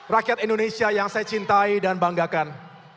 rakyat indonesia yang saya cintai dan banggakan